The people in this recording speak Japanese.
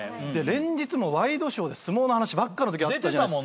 連日ワイドショーで相撲の話ばっかのときあったじゃないですか。